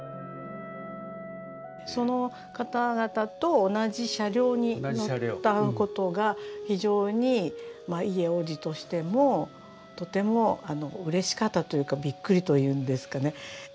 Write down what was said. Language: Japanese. その方々と同じ車両になった事が非常に伊江王子としてもとてもうれしかったというかびっくりというんですかね。